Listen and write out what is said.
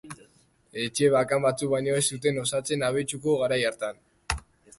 Etxe bakan batzuk baino ez zuten osatzen Abetxuku garai hartan.